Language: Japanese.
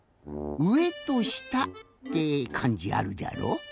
「上」と「下」ってかんじあるじゃろ。